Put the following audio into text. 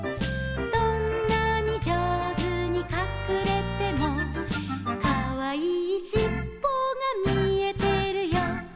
「どんなに上手にかくれても」「かわいいしっぽが見えてるよ」